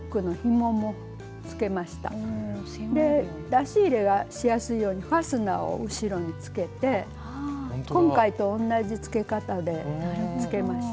出し入れがしやすいようにファスナーを後ろにつけて今回と同じつけ方でつけました。